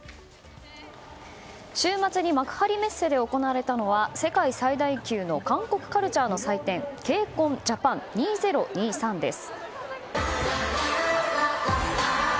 週末に幕張メッセで行われたのは世界最大級の韓国カルチャーの祭典「ＫＣＯＮＪａｐａｎ２０２３」です。